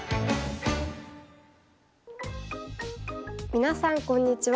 皆さんこんにちは。